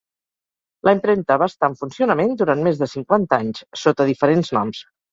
La impremta va estar en funcionament durant més de cinquanta anys, sota diferents noms.